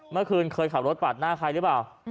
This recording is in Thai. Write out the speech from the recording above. เมื่อคืนเคยขับรถปาดหน้าใครหรือเปล่า